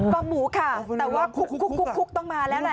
หมูค่ะแต่ว่าคุกต้องมาแล้วแหละ